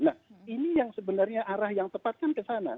nah ini yang sebenarnya arah yang tepatkan ke sana